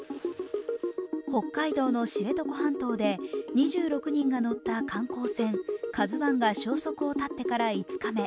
北海道の知床半島で２６人が乗った観光船「ＫＡＺＵⅠ」が消息を絶ってから５日目